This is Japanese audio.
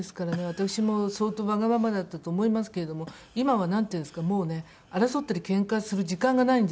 私も相当わがままだったと思いますけれども今はなんていうんですかもうね争ったりけんかする時間がないんですよ。